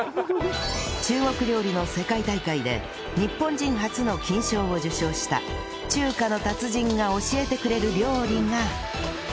中国料理の世界大会で日本人初の金賞を受賞した中華の達人が教えてくれる料理が